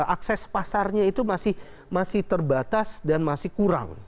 akses pasarnya itu masih terbatas dan masih kurang